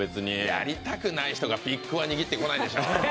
やりたくない人がピックは握ってこないでしょ。